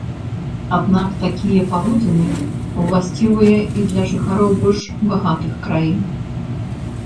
Аднак такія паводзіны ўласцівыя і для жыхароў больш багатых краін.